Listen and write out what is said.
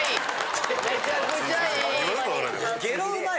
めちゃくちゃいい。